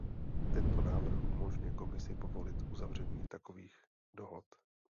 Tento návrh umožňuje Komisi povolit uzavření takových dohod.